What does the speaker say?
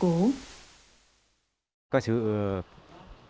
có sự giới đạo lãnh đạo của đảng bộ đảng bộ đảng bộ